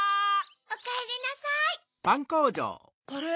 ・・おかえりなさい・あれ？